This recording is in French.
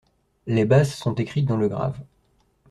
Les basses sont écrites dans le grave.